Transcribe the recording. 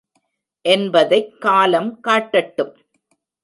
என்பதைக் காலம் காட்டட்டும்.